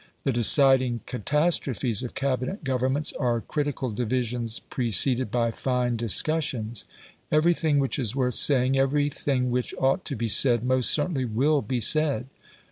The deciding catastrophes of Cabinet governments are critical divisions preceded by fine discussions. Everything which is worth saying, everything which ought to be said, most certainly WILL be said.